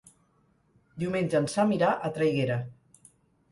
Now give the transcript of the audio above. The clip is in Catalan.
Diumenge en Sam irà a Traiguera.